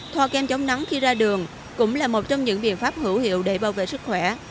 thoa kem chống nắng khi ra đường cũng là một trong những biện pháp hữu hiệu để bảo vệ sức khỏe